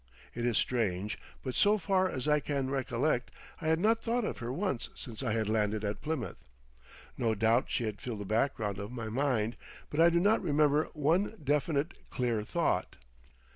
It is strange, but so far as I can recollect I had not thought of her once since I had landed at Plymouth. No doubt she had filled the background of my mind, but I do not remember one definite, clear thought.